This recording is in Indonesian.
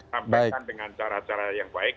sampaikan dengan cara cara yang baik